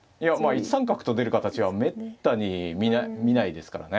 １三角と出る形はめったに見ないですからね。